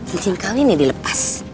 ingin kawinnya dilepas